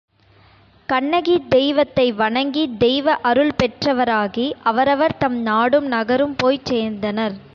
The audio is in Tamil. கண்ணகித் தெய்வத்தை வணங்கித் தெய்வ அருள் பெற்றவராகி அவரவர்தம் நாடும் நகரும் போய்ச் சேர்ந்தனர்.